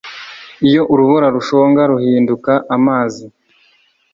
iyo urubura rushonga, ruhinduka amazi